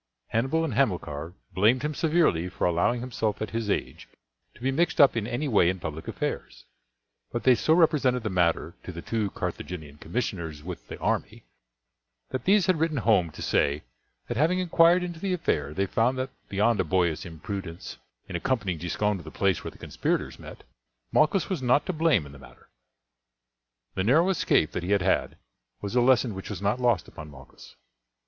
Hannibal and Hamilcar blamed him severely for allowing himself at his age to be mixed up in any way in public affairs; but they so represented the matter to the two Carthaginian commissioners with the army, that these had written home to say, that having inquired into the affair they found that beyond a boyish imprudence in accompanying Giscon to the place where the conspirators met, Malchus was not to blame in the matter. The narrow escape that he had had was a lesson which was not lost upon Malchus.